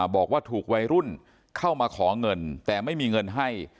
บอกว่าถูกวัยรุ่นเข้ามาขอเงินแต่ไม่มีเงินให้